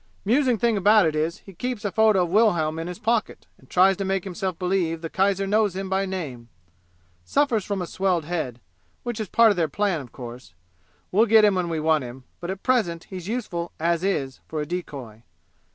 'Musing thing about it is he keeps a photo of Wilhelm in his pocket and tries to make himself believe the kaiser knows him by name. Suffers from swelled head, which is part of their plan, of course. We'll get him when we want him, but at present he's useful 'as is' for a decoy.